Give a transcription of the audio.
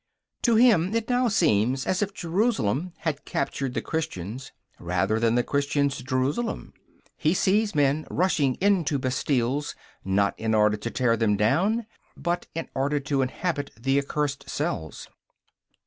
To him it now seems as if Jerusalem had captured the Christians rather than the Christians Jerusalem. He sees men rushing into Bastilles, not in order to tear them down, but in order to inhabit the accursed cells.